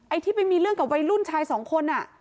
ที่ไปมีเรื่องกับวัยรุ่นชายสองคน